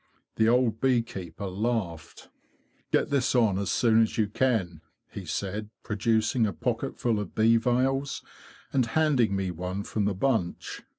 The old bee keeper laughed. '* Get this on as soon as you can," he said, pro ducing a pocketful of bee veils, and handing me one from the bunch.